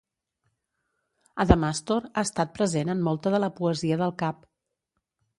Adamastor ha estat present en molta de la poesia del Cap.